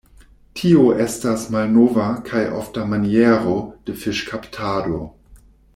Tio estas malnova kaj ofta maniero de fiŝkaptado.